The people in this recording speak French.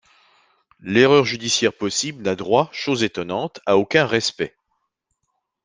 L’erreur judiciaire possible n’a droit, chose étonnante, à aucun respect.